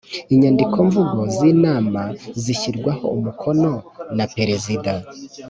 Inyandikomvugo z inama zishyirwaho umukono na perezida